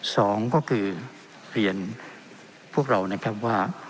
สองก็คือเรียนพวกเรานะครับว่า